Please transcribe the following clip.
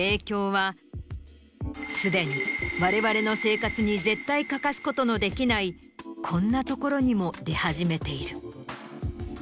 すでにわれわれの生活に絶対欠かすことのできないこんなところにも出始めている。